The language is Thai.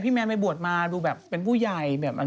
พูดไม่ตัดหน้าพูดว่าไม่โอเค